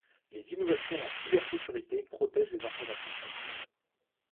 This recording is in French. Les innovations en cybersécurité protègent les informations sensibles.